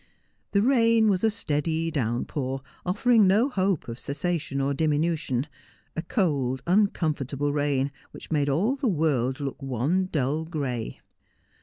The rain was a steady downpour, offering no hope of cessa tion or diminution — a cold, uncomfortable rain, which made all the world look one dull gray.